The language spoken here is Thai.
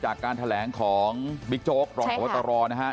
จากการแถลงของบิ๊กโจ๊กรอบบาทะต่อรอนะฮะใช่ค่ะ